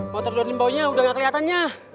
mau terdorongin baunya udah gak keliatannya